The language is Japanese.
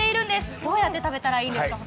どうやって食べたらいいんですか？